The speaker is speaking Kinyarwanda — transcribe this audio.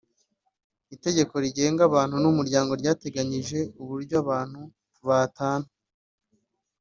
itegeko rigenga abantu n’umuryango ryateganyije uburyo abantu batana